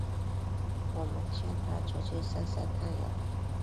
我们劝她出去晒晒太阳